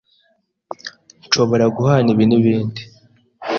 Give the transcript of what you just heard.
Nshobora guhana ibi nibindi?